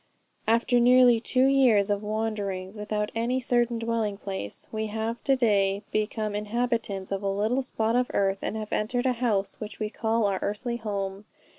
"After nearly two years of wanderings without any certain dwelling place, we have to day become inhabitants of a little spot of earth, and have entered a house which we call our earthly home.